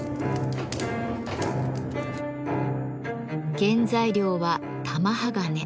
原材料は玉鋼。